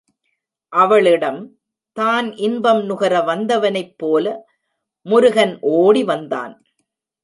அவளிடம், தான் இன்பம் நுகர வந்தவனைப்போல முருகன் ஓடி வந்தான்.